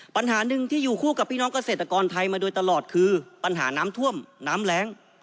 ปัญหาหนึ่งที่อยู่คู่กับพี่น้องเกษตรกรไทยมาโดยตลอดคือปัญหาน้ำท่วมน้ำแรง